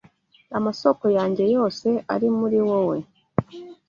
Amasōko yanjye yose ari muri wowe